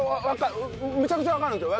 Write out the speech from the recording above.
めちゃくちゃわかるんですよ。